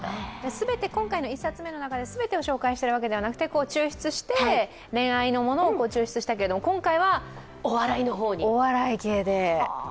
全て今回の一冊目の中で、全てを紹介しているわけではなくて抽出して恋愛のものを抽出したけど今回はお笑い系で。